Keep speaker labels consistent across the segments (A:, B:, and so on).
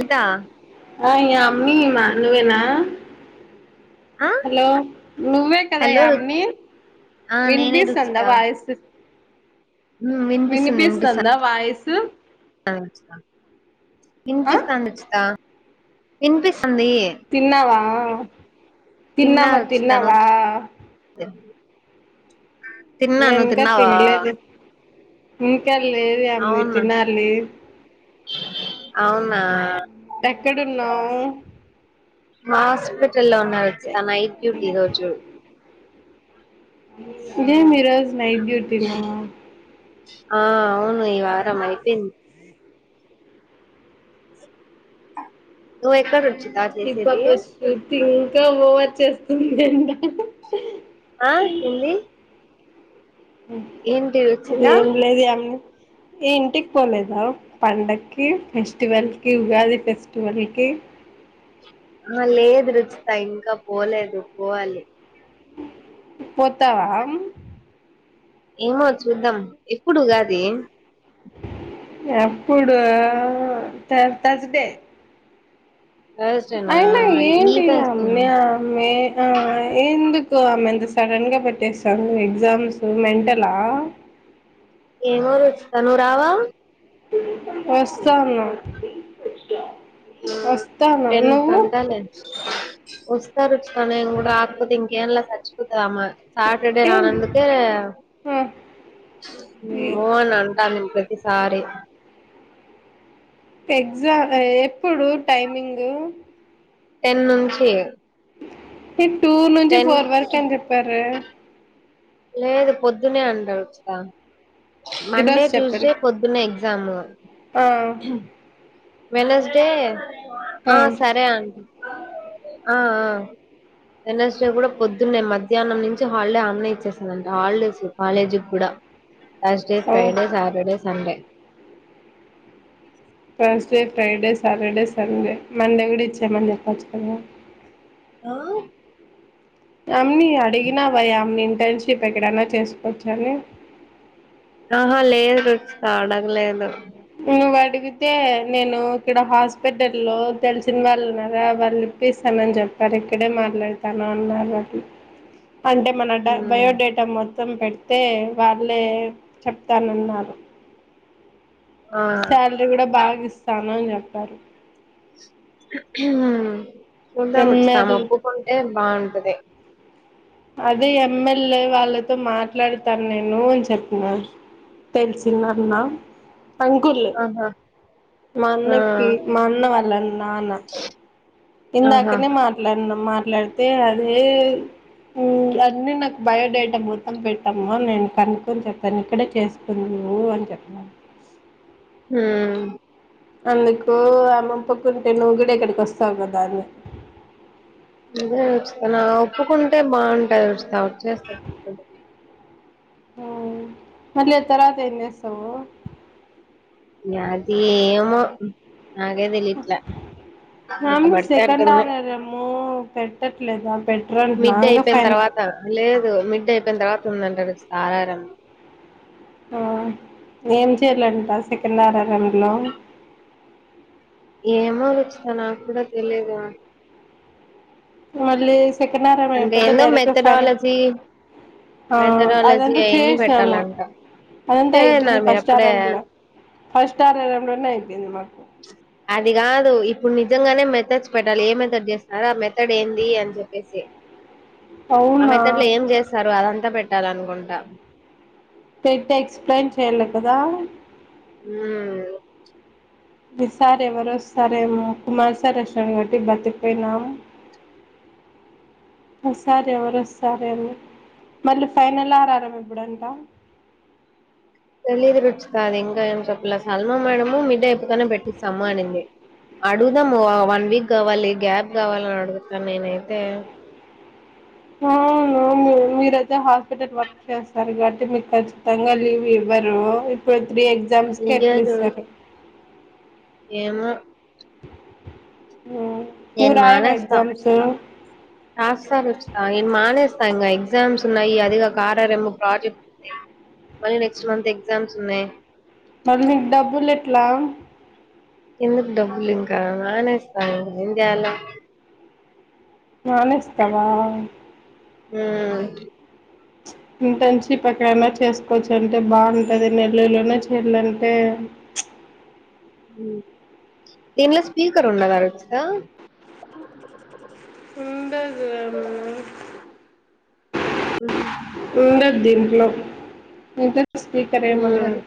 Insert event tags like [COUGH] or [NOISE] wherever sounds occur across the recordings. A: రుచిత
B: ఆ ఏ అమ్మీమ్మా నువ్వేనా
A: ఆ
B: హలో ను్వే కదా
A: హలో రు
B: అని
A: ఆ నేనే
B: విన్పిీస్ అందా వయిస్త
A: వినిపిస్తు నింపిసా
B: వాయిస్ ఆ
A: ఇన్పిస్చ్చదా ఇన్పిస్
B: తిన్నావా
A: తిన్నా
B: తిన్నావా
A: రుచిత నువ్వు
B: తిన్నావా
A: తి- తిన్నా నువ్వు
B: ననుకా
A: తిన్నావా
B: తంలేదు ఇంకళ్లిది అమ్
A: అవునా
B: తినార్లీ
A: అవునా
B: ఎక్కడున్నావు
A: మా హాస్పిటల్ లో ఉన్నారు వచ్చిత నైట్ డ్యూటీ రోజు
B: ఇ మీ రజ నైట్ టీ మా
A: ఆ అవును ఈ వారం అయిపోయింది ఎక్కచ్చు
B: ఇ పాక్క స్ట్ ఇంకా బో వచ్చేస్తుందింట
A: ఆ ఏంది ఏంటి
B: అ
A: రుచిత
B: ఏం లేదు అమ్ని ఏ ఇంటికి పోలేదా పండకి ఫెస్టివల్ కి ఉగాది ఫెస్టివల్ కి అ
A: ఆ లేదు రుచిత ఇంకా పోలేదు పోవాలి
B: పోతావా
A: ఏమో చూద్దాం ఎప్పుడు ఉగాది
B: ఎప్పుడు త తజ డే
A: థర్స్డేనా
B: అయినా ఏంటి
A: ఈత
B: అమ్మ
A: వస్తాను
B: ఆమ్మె ఆ ఎందుకు ఎకు ఆమె ఎంత సడన్గా పెట్టేసాను ఎగ్జామ్స్ మెంటలా
A: యిమోరో వచ్చి నువ్వు రావా
B: వస్తాను వస్తాను
A: టెన్
B: నువ్వు
A: కంటాలే వస్తా రుచితా నేను కూడా రాకపోతే ఇంకా ఏమి లే సచ్చిపోతాదమే సాటర్డే
B: ఏం
A: రాను అందుకే
B: ఆ
A: ఓ అని అంటా నేను ప్రతి సారి
B: ఎగ్జామ్ ఎప్పుడు టైమింగు
A: టెన్ నుంచి
B: మీరు టూ నుంచి
A: టెన్
B: ఫోర్ వరకు అని చెప్పారే
A: లేదు పొద్దునే అంటారు వా మండే
B: ఈరోజు చెప్పారు
A: ట్యూస్డే పొద్దునే దమే
B: ఆ
A: వెనస్డే ఆ సరే అండి ఆ ఆ వెనస్డే కూడా పొద్దున్నే మధ్యాహ్నం నుంచి హాలిడే అన్న ఇచ్చేసిందింటే హాలిడేస్ కాలేజీ కూడా టస్డే,
B: ఓ
A: Friday, Saturday, Sunday
B: Thursday Friday Saturday Sunday Monday కూడా ఇచ్చేయమని చెప్పు వచ్చు కదా
A: ఆ
B: అమ్ని అడిగినా వయా అమ్ని ఇంటర్న్షిప్ ఎక్కడనా చేసుకోవచ్చా అని
A: ఆహా లేదు అడగలేదు
B: నువ్వు అడిగితే నేను ఇక్కడ హాస్పిటల్ లో తెలిసిన వాళ్ళు ఉన్నారా వాళ్ళు చెపిస్తానని చెప్పారు ఇక్కడే మాట్లాడతాను అన్నారు అంటే మన డా బయోడేటా మొ త్తం పెడితే వాళ్ళే చెప్తానన్నారు
A: ఆ
B: శాలరీ కూడా బాగా ఇస్తాను అని చెప్పారు
A: ఉహుమ్ చూద్దాం ముచ్చుతాం
B: ఎంఎల్
A: ఓప్పుకుంటే బాగుంటది
B: అదే ఎమ్మెల్యే వాళ్ళతో మాట్లాడతాను నేను అని చెప్పిన తెలిసిన నాన్నా అంకుల్
A: ఆహా
B: మా
A: ఆ
B: అన్నకి మా అన్న వాళ్ళ నాన్న
A: ఆహా
B: ఇందాకనే మాట్లాడినం మాట్లాడితే అదే ఉమ్ అన్నీ నాకు బయోడేటా మొత్తం పెట్టామ నేను కనుక్కొని చెప్పాను ఇక్కడే చేసుకుందు ఊ అని చెప్ప
A: హమ్
B: అందుకు ఆమ్మమ్మ పక్కంటే నువ్వు కూడా ఇక్కడికి వస్తావు కదా అందు
A: అదే వస్తా నా ఒప్పుకుంటే బాగుంటది వస్తా వచేస్త
B: ఉమ్ మళ్ళ తర్వాత ఎమి చేస్తావు
A: నాది ఏమో నాకే తెలియట్లే ఎట్ట
B: నాము
A: పడితే
B: సెకండ్
A: అట్టుంది
B: ఆర్డర్ ఏమో పెట్టట్లేదు
A: మిడ్ అయిపోయిన తర్వాత లేదు మిడ్ అయిపోయిన తర్వాత ఉందంటారు సారారం
B: ఆ ఏం చేయాలంట సెకండ్ ఆర్ఆర్ఎం లో
A: ఏమో రచితా నాకు కూడా తెలిదు
B: మళ్ళీ సెకండ్ ఆర్ ఆర్ అయిపోతే డైరెక్ట్ ఫైన్
A: మెథడాలజీ
B: ఆ
A: మెథడాలజీ
B: అదంత
A: అవన్నీ
B: చేసినాము
A: పెట్టాలంట
B: అదంతా అయిపోయింది
A: చేన్నారు మీరు
B: ఫస్ట్ ఆర్
A: అప్పుడే
B: రౌండ్ లో ఫస్ట్ ఆర్ ఆర్ రౌండ్ లోనే అయిపోయింది మాకు
A: అది కాదు ఇప్పుడు నిజంగానే మెథడ్ పెట్టాలి ఏ మెథడ్ చేస్తారో ఆ మెథడ్ ఏంది అని చెప్పేసి
B: అ
A: ఆ మెథడ్ లో ఏం చేస్తారు అదంతా పెట్టాలనుకుంటా
B: పెట్టి ఎక్స్ప్లెయిన్ చెయాలి కదా
A: ఆమ్
B: ప్రతిసారి ఏమో ఎవరోస్తారేమో కుమార్ సార్ వచ్చిన్నారు కాబట్టి బ్రతిపోయినాము ఈసారి ఎవరు వస్తారేమో మళ్ళీ ఫైనల్ ఆర్ ఆర్ ఏం ఏబుడంట
A: తెలీదు రుచిక అది ఇంకా ఏం చెప్పలే సల్మా మేడము మిడ్ అయిపోతానే పెట్టిస్తాము అనింది అడుగుదాము వన్ వీక్ కావాలి గ్యాప్ కావాలని అడుగుతా నేనైతే
B: ఆ ఆ మీరైతే హాస్పిటల్ వర్క్ చేస్తారు కాట్టి మీకు ఖచ్చితంగా లీవ్ ఇవ్వరు ఇప్పుడు అంటే ఎగ్జామ్స్ కి అట్లా
A: లియరు
B: ఇస్తారు
A: ఏమో
B: మ్మ్.
A: నేను
B: నువ్వు రాయవా
A: మానేస్తా
B: ఎగ్జామ్స్
A: [UNINTELLIGIBLE] నేను మానేస్తా ఇంగ ఎగ్జామ్స్ ఉన్నాయి అదిగా ఆర్ ఆర్ ఏం ప్రాజెక్ట్ ఉంది మళ్ళీ నెక్స్ట్ మంత్ ఎగ్జామ్స్ ఉన్నాయి.
B: మళ్ళి నీకు డబ్బులు ఎట్లా
A: ఎందుకు డబ్బులు ఇంకా మానేస్తాను ఇంగయాల
B: మానేస్తావా
A: ఉమ్
B: [UNINTELLIGIBLE] ఇంట్రన్ షిప్ ఎక్కడన్నా చేసుకోవచ్చు అంటే బాగుంటది నెల్లలైనా చేయాలంటే [UNINTELLIGIBLE]
A: దాన్లో స్పీకర్ ఉండదా రిచిక
B: ఉండదు ఏమో
A: ఉండు
B: ఉండదు దీంట్లో స్పీకరేమి
A: ఉమ్
B: ఉండదు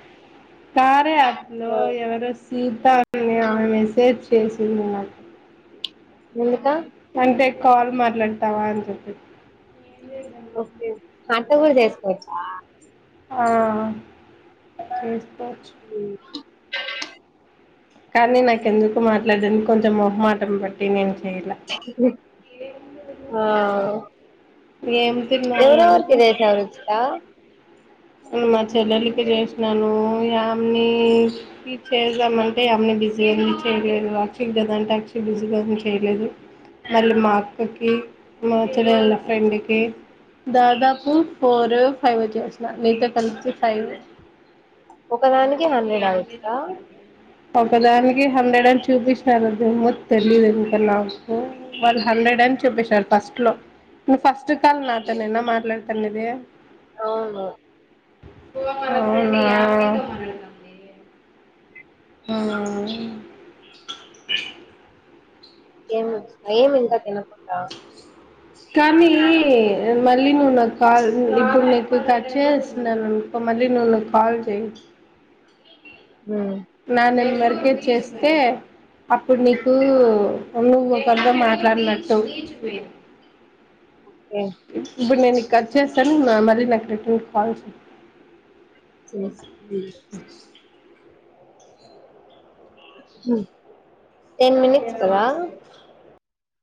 B: కార్య యాప్ లో
A: ఆ,
B: ఎవరు వ సీతా అనే ఆమె మెసేజ్ చేసింది నాకు
A: ఎందుకా
B: అంటే కాల్ మాట్లాడతావా అని చెప్పి
A: ఓకే అంట్ల గూడా చేసుకోవచ్చా
B: ఆ చేస్
A: ఉమ్
B: కానీ నాకెందుకో మాట్లాడనికి కొంచెం మొహమాటం బట్టి నేను చేయలే
A: ఆ
B: ఏం
A: ఎవరెవరికి
B: తిన్నావు
A: జేసావు రుచిక
B: ఉ నా చెల్లెలికి జేసినాను యామిని కి చేదాం అంటే ఆమీని బిజీగా చేయలేదు యాక్చువల్ [UNINTELLIGIBLE] బిజీగా వుంది చేయలేదు వాళ్లు మా అక్కకి మా చెల్లెలి ఫ్రెండ్కి దాదాపు ఫోర్ ఫైవొ చేసిన నీతో కలిసి ఫైవు
A: ఒకదానికి హండ్రెడ్ అవుతదా
B: ఒకదానికి హండ్రెడ్ అని చూపించినారు ఏమో తెలీదు ఇంకా నాకు వాళ్లు హండ్రెడ్ అని చూపిచరు ఫస్ట్ లో నూ ఫస్ట్ కాల్ నాతో నేనా మాట్లాడుత్తాంనేది.
A: అవును
B: అవునా ఉమ్
A: ఏం ఏమి ఇంకా తినకుండా
B: కానీ మళ్ళీ నువ్ నాకు కాల్ ఇప్పుడు నీకు కట్ చేస్తున్నానుకో మళ్ళీ నువ్వు కాల్ చెయ్
A: టెన్
B: నా నెంబర్ కె చేస్తే అప్పుడు నీకు నువ్వెవరితో మాట్లాడినట్టు ఇప్పునేని కట్ చేస్తాను ఆ మళ్ళి నాకు రిపీట్ కాల్ చెయ్
A: స [UNINTELLIGIBLE] ఉ టెన్ మినట్స్ కదా